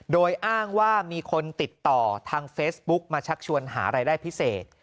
โดยอ้างว่ามีคนติดต่อทางเฟซบุ๊กมาชักชวนหารายได้พิเศษ